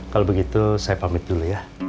kalau begitu saya pamit dulu ya